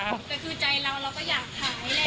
แต่คือใจเราเราก็อยากขายแหละ